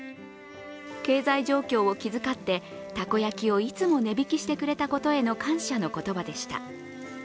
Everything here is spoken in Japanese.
経済状況を気遣って、たこ焼きをいつも値引きしてくれたことへの感謝の言葉でした。